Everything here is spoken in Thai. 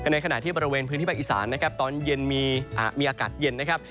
ในขณะที่บริเวณพื้นที่ภาคอีสานนะครับตอนเย็นมีอากาศเย็นนะครับ